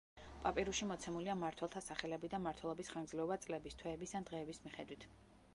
პაპირუსში მოცემულია მმართველთა სახელები და მმართველობის ხანგრძლივობა წლების, თვეების ან დღეების მიხედვით.